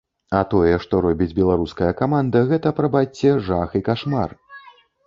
А тое, што робіць беларуская каманда, гэта, прабачце, жах і кашмар.